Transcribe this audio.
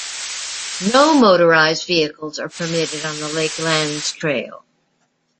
No motorized vehicles are permitted on the Lakelands Trail.